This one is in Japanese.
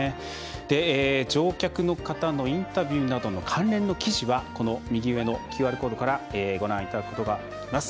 乗客の方のインタビューなどの関連の記事は右上のＱＲコードからご覧いただくことができます。